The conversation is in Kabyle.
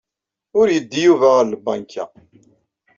Ur yeddi Yuba ɣer tbanka.